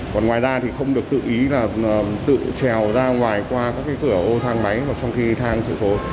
còn ngoài ra thì không được tự ý là tự trèo ra ngoài qua các cái cửa ô thang máy mà trong khi thang sự cố